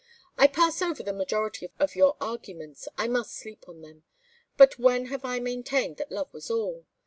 "I pass over the majority of your arguments I must sleep on them. But when have I maintained that love was all?